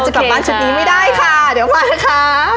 กลับบ้านชุดนี้ไม่ได้ค่ะเดี๋ยวมานะคะ